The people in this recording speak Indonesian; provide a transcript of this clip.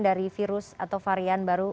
dari virus atau varian baru